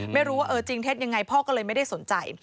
ไม่รู้ว่าเออจริงเท็จยังไงพ่อก็เลยไม่ได้สนใจ